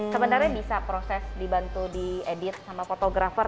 sebenarnya bisa proses dibantu diedit sama fotografer